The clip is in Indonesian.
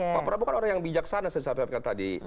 pak prabowo kan orang yang bijaksana saya sampaikan tadi